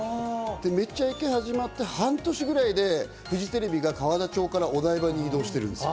『めちゃイケ』始まって半年ぐらいでフジテレビが河田町からお台場に移動してるんです。